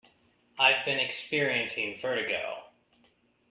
I've been experiencing Vertigo.